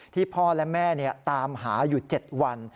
พ่อและแม่ตามหาอยู่๗วัน